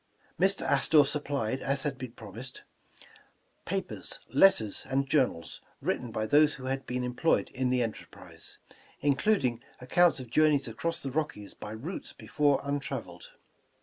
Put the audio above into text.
Mr. Astor sup plied, as he had promised, papers, letters and jour nals, written by those who had been employed in the enterprise, including accounts of journeys across the Rockies by routes before untraveled.